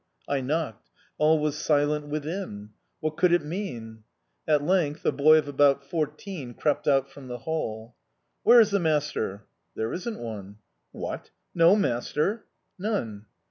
I knocked all was silent within!... What could it mean? At length a boy of about fourteen crept out from the hall. "Where is the master?" "There isn't one." "What! No master?" "None!"